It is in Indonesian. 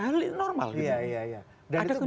hal ini normal dan itu